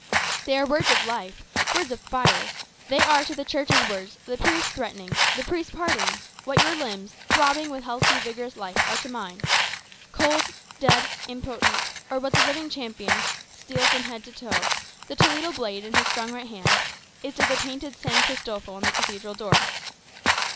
"They are words of life words of fire. They are, to the Church's words, the priest's threatenings, the priest's pardons, what your limbs, throbbing with healthy vigorous life, are to mine cold, dead, impotent; or what the living champion steel from head to heel, the Toledo blade in his strong right hand is to the painted San Cristofro on the Cathedral door.